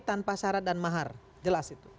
tanpa syarat dan mahar jelas itu